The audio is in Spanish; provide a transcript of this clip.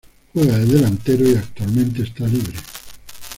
Juega de delantero y actualmente está libre.